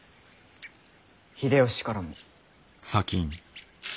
秀吉からも。